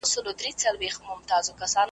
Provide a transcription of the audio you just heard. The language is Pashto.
قانون د سولې لامل کېږي.